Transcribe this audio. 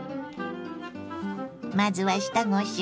まずは下ごしらえ。